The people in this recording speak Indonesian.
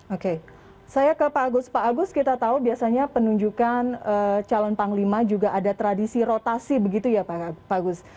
oke saya ke pak agus pak agus kita tahu biasanya penunjukan calon panglima juga ada tradisi rotasi begitu ya pak agus